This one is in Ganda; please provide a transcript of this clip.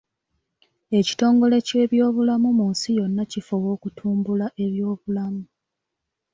Ekitongole ky’ebyobulamu mu nsi yonna kifuba okutumbula ebyobulamu.